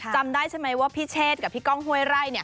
จำได้ใช่ไหมว่าพี่เชษกับพี่ก้องห้วยไร่